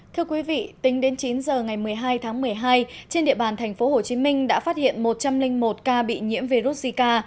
thưa quý vị tính đến chín giờ ngày một mươi hai tháng một mươi hai trên địa bàn tp hcm đã phát hiện một trăm linh một ca bị nhiễm virus zika